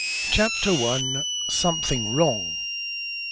CHAPTER I. SOMETHING WRONG.